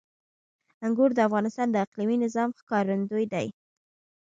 انګور د افغانستان د اقلیمي نظام ښکارندوی ده.